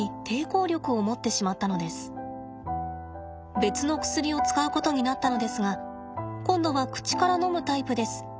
別の薬を使うことになったのですが今度は口から飲むタイプです。